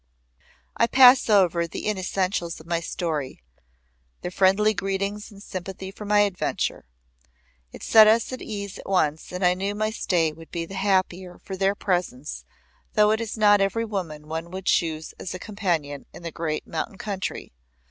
I pass over the unessentials of my story; their friendly greetings and sympathy for my adventure. It set us at ease at once and I knew my stay would be the happier for their presence though it is not every woman one would choose as a companion in the great mountain country.